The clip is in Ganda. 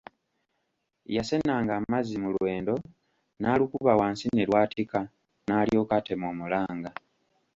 Yasenanga amazzi mu lwendo n'alukuba wansi ne lwatika, n'alyoka atema omulanga.